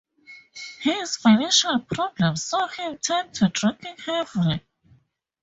His financial problems saw him turn to drinking heavily.